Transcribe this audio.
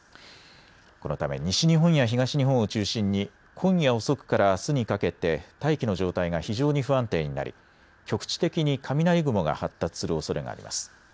このため西日本や東日本を中心に今夜遅くからあすにかけて大気の状態が非常に不安定になり局地的に雷雲が発達するおそれがあります。